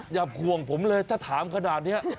อย่าห่วงผมเลยถ้าถามขนาดนี้